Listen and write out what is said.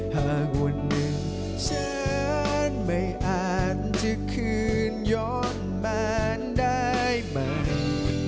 หากวันหนึ่งฉันไม่อาจจะคืนย้อนแมนได้ไหม